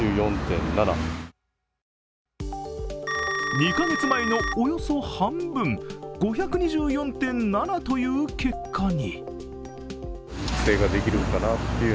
２か月前のおよそ半分５２４．７という結果に。